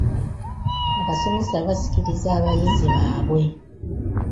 Abasomesa basikiriza abayizi baabwe.